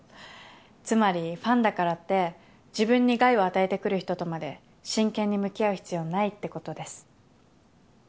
つまりファンだからって自分に害を与えてくる人とまで真剣に向き合う必要ないってことです。